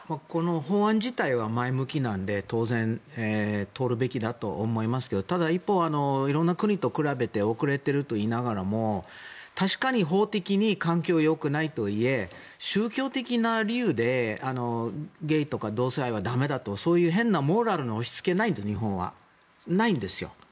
法案自体は前向きなので当然、通るべきだと思いますけどただ一方、いろいろな国と比べて遅れているといいながらも確かに法的に環境は良くないとはいえ宗教的な理由でゲイとか同性愛はだめだと、そういう変なモラルの押し付けがないじゃないですか、日本は。